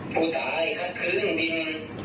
ผู้ตายคัดคืนดิน